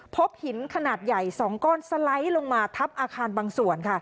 พบหินขนาดใหญ่๒ก้อนสไลด์ลงมาทับอาคารบางส่วนค่ะ